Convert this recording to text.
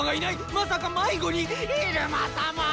まさか迷子に⁉入間様ぁ！